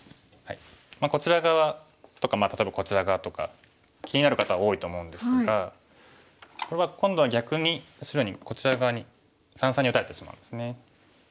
こちら側とか例えばこちら側とか気になる方は多いと思うんですがこれは今度は逆に白にこちら側に三々に打たれてしまうんですね。